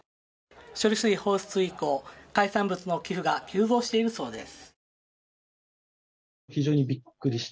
処理水放出以降、海産物の寄付が急増しているそうです。